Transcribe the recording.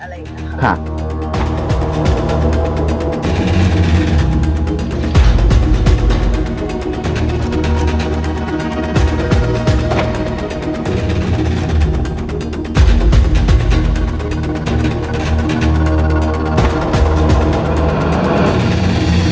มันจะมีแค่ช่วงเดียวเท่านั้นแล้วมันก็หายไปอะไรอย่างเงี้ย